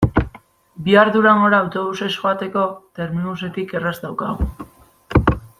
Bihar Durangora autobusez joateko Termibusetik erraz daukagu.